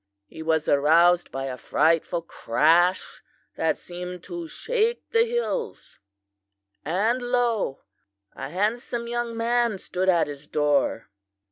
He was aroused by a frightful crash that seemed to shake the hills; and lo! a handsome young man stood at his door.